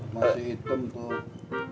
masih hitam tuh